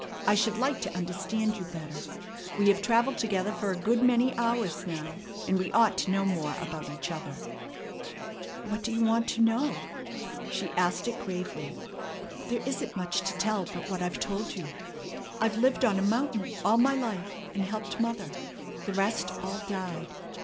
"I should like to understand you better. We have travelled together for a good many hours now, and we ought to know more about each other." "What do you want to know?" She asked it gravely. "There isn't much to tell but what I've told you. I've lived on a mountain all my life, and helped mother. The rest all died.